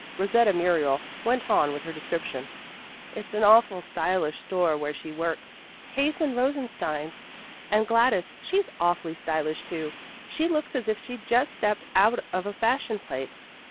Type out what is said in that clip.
Rosetta Muriel went on with her description. "It's an awful stylish store where she works, Case and Rosenstein's. And Gladys, she's awfully stylish, too. She looks as if she'd just stepped out of a fashion plate."